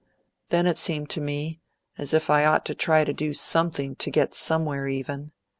Then it seemed to me as if I ought to try to do something to get somewhere even.